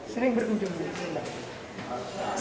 sering berkunjung di sini